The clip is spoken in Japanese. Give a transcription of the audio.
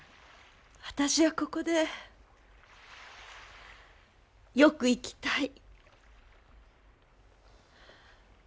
私はここでよく生きたい。